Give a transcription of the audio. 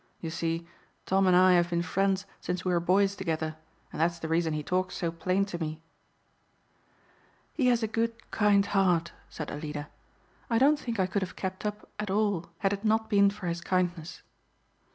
You see, Tom and I have been friends since we were boys together, and that's the reason he talks so plain to me." "He has a good, kind heart," said Alida. "I don't think I could have kept up at all had it not been for his kindness."